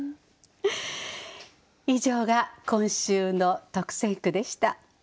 以上が今週の特選句でした。